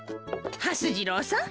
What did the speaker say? はす次郎さん